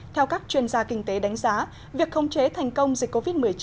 theo các chuyên gia kinh tế đánh giá việc khống chế thành công dịch covid một mươi chín